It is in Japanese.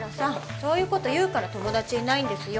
そういうこと言うから友達いないんですよ